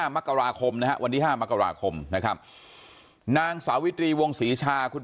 มกราคมนะฮะวันที่๕มกราคมนะครับนางสาวิตรีวงศรีชาคุณ